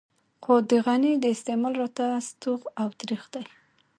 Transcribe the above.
خو د غني د استعمال راته ستوغ او ترېخ دی.